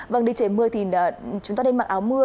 vâng đi trời mưa thì chúng ta nên mặc áo mưa